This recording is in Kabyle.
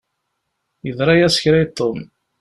Yeḍṛa-yas kra i Tom.